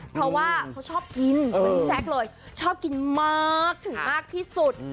เพราะว่าเขาชอบกินชอบกินมากถึงมากที่สุด